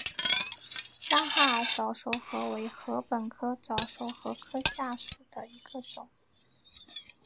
拉哈尔早熟禾为禾本科早熟禾属下的一个种。